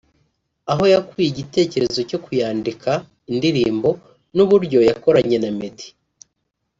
Aho yakuye igitekerezo cyo kuyandika (indirimbo) n’uburyo yakoranye na Meddy